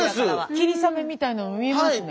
霧雨みたいなの見えますね。